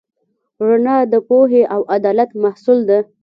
رڼا د پوهې او عدالت محصول ده.